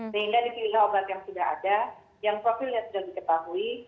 sehingga dipilihlah obat yang sudah ada yang profilnya sudah diketahui